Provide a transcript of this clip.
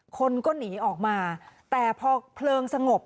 คนก็หนีออกมาแต่พอเพลิงสงบ